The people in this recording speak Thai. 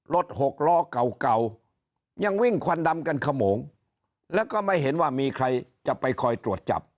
หกล้อเก่าเก่ายังวิ่งควันดำกันขโมงแล้วก็ไม่เห็นว่ามีใครจะไปคอยตรวจจับ